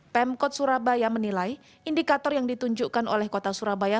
pemkot surabaya menilai indikator yang ditunjukkan oleh kota surabaya